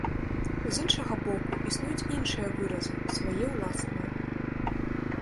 З іншага боку, існуюць іншыя выразы, свае ўласныя.